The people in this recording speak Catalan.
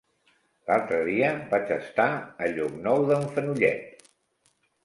L'altre dia vaig estar a Llocnou d'en Fenollet.